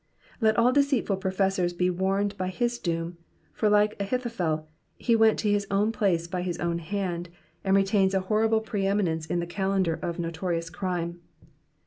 Let all deceitful professors be warned by his doom, for like Ahithophel he went to his own place by his own hand, and retains a horrible pre eminence in the calendar of notorious crime.